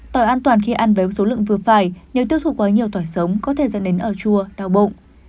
tỏi an toàn khi ăn với số lượng vừa phải nếu tiêu thụ quá nhiều tỏa sống có thể dẫn đến ở chùa đau bụng